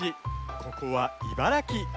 ここは茨城。